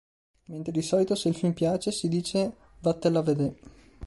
Mentre di solito se il film piace si dice: "Vattel'a vede".